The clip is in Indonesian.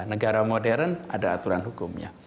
negara modern ada aturan hukumnya